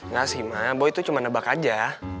gak sih ma boy itu cuma nebak aja